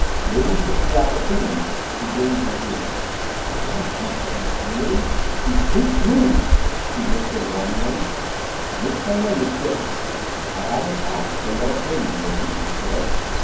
Lizzie took the opportunity to gain her ear. "I don't trust him, Miss Neily! He's too smooth!" she whispered warningly. Miss Cornelia stiffened. "I haven't asked for your opinion, Lizzie," she said.